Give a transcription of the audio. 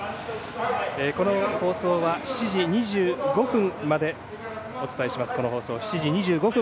この放送は７時２５分までお伝えします。